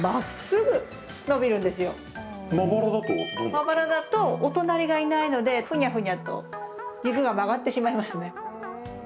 まばらだとお隣がいないのでふにゃふにゃっと軸が曲がってしまいますね。